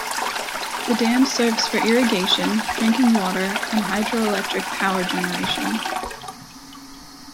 The dam serves for irrigation, drinking water and hydroelectric power generation.